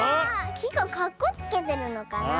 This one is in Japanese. きがかっこつけてるのかなあ。